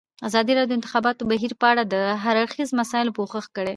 ازادي راډیو د د انتخاباتو بهیر په اړه د هر اړخیزو مسایلو پوښښ کړی.